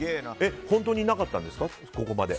本当になかったんですかここまで。